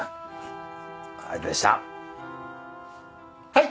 はい！